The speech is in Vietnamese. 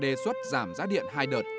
đề xuất giảm giá điện hai đợt